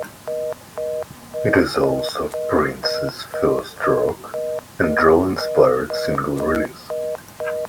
It is also Prince's first rock and roll-inspired single release.